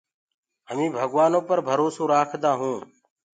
همي ڀگوآنو پر ڀروسو رآکدآ هونٚ۔